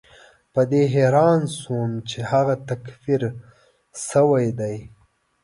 په دې حیران شوم چې هغه تکفیر شوی دی.